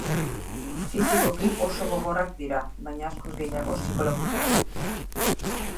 Fisikoki oso gogorrak dira baina askoz gehiago psikologikoki.